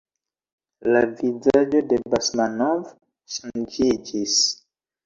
La vizaĝo de Basmanov ŝanĝiĝis.